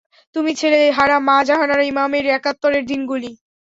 তুমি ছেলে হারা মা জাহানারা ঈমামের একাত্তরের দিনগুলি।